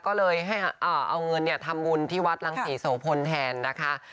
ก็เลยให้เอาเงินทำบุญที่วัดรังศรีโสพลแทนนะคะ